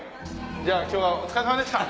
じゃあ今日はお疲れさまでした。